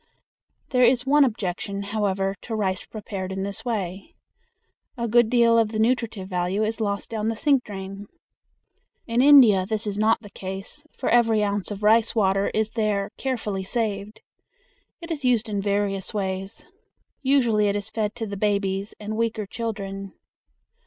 There is one objection, however, to rice prepared in this way. A good deal of the nutritive value is lost down the sink drain. In India this is not the case, for every ounce of rice water is there carefully saved. It is used in various ways. Usually it is fed to the babies and weaker children.